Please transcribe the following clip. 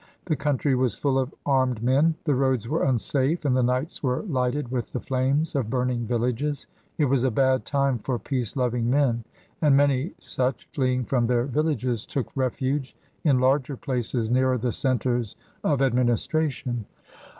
The country was full of armed men, the roads were unsafe, and the nights were lighted with the flames of burning villages. It was a bad time for peace loving men, and many such, fleeing from their villages, took refuge in larger places nearer the centres of administration.